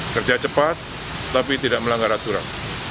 kerja cepat tapi tidak melanggar aturan